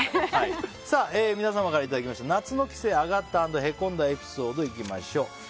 皆様からいただきました夏の帰省アガった＆へこんだエピソードいきましょう。